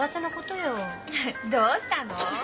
どうしたの？